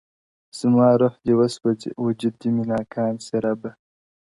زما روح دي وسوځي _ وجود دي مي ناکام سي ربه _